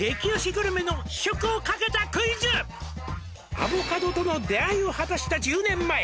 「アボカドとの出会いを果たした１０年前」